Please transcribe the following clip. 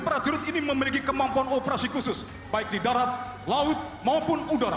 prajurit ini memiliki kemampuan operasi khusus baik di darat laut maupun udara